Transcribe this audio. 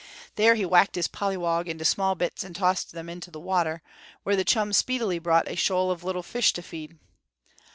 There he whacked his pollywog into small bits and tossed them into the water, where the chum speedily brought a shoal of little fish to feed.